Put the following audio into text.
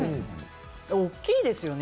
大きいですよね！